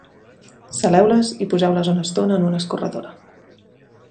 Saleu-les i poseu-les una estona en una escorredora.